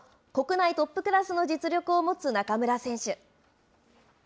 国内トップクラスの実力を持つ中村選手。